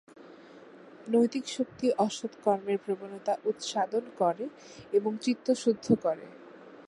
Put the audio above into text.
নৈতিক শক্তি অসৎ কর্মের প্রবণতা উৎসাদন করে এবং চিত্ত শুদ্ধ করে।